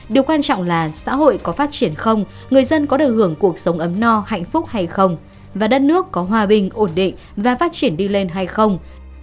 điều quan trọng là xã hội có phát triển không người dân có được hưởng cuộc sống ấm no hạnh phúc hay không và đất nước có hòa bình ổn định và phát triển đi lên hay không